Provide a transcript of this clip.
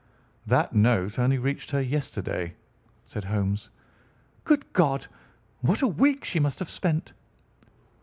"That note only reached her yesterday," said Holmes. "Good God! What a week she must have spent!"